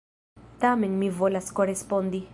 Tamen mi volas korespondi.